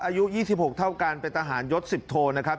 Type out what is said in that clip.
อายุ๒๖เท่าการเป็นทหารยศ๑๐โทนะครับ